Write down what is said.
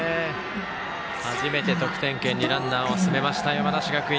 初めて得点圏にランナーを進めました、山梨学院。